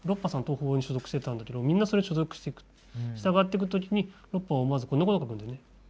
東宝に所属してたんだけどみんなそれに所属して従ってく時にロッパは思わずこんなこと書くんだよね。